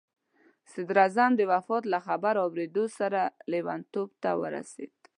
صدراعظم د وفات له خبر اورېدو سره لیونتوب ته ورسېد.